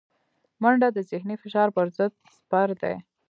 منډه د ذهني فشار پر ضد سپر دی